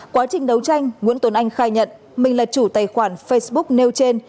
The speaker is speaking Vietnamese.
quá trình đấu tranh nguyễn tuấn anh khai nhận mình là chủ tài khoản facebook nêu trên